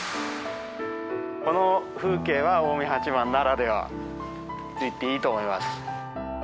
この風景は近江八幡ならではと言っていいと思います。